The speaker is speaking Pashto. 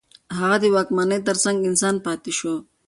هغه د واکمنۍ ترڅنګ د انسان پاتې شو.